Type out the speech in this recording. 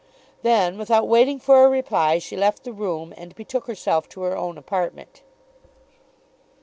Then, without waiting for a reply she left the room and betook herself to her own apartment.